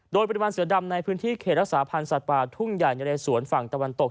โดยปริมาณเสือดำในพื้นที่เขตรักษาพันธ์สัตว์ป่าทุ่งใหญ่นะเรสวนฝั่งตะวันตก